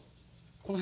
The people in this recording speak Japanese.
この辺？